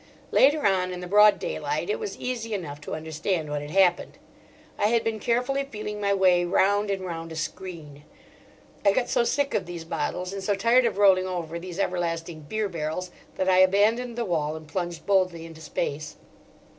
Later on, in the broad daylight, it was easy enough to understand what had happened. I had been carefully feeling my way round and round a screen. I got so sick of these bottles and so tired of rolling over these everlasting beer barrels, that I abandoned the wall and plunged boldly into space.